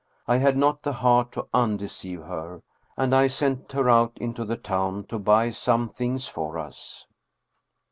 I had not the heart to undeceive her, and I sent her out into the town to buy some things for us.